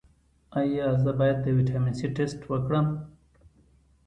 ایا زه باید د ویټامین سي ټسټ وکړم؟